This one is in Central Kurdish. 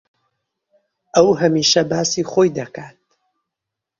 ئەو ھەمیشە باسی خۆی دەکات.